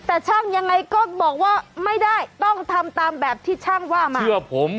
แต่ช่างยังไงก็บอกว่าไม่ได้ต้องทำตามแบบที่ช่างว่ามาเพื่อผม